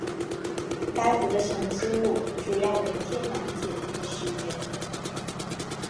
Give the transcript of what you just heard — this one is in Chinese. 该湖的沉积物主要为天然碱和石盐。